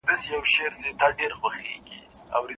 پکښي پراته دي په زړو ویشتلي.